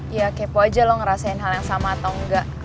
ya kepo aja lo ngerasain hal yang sama atau enggak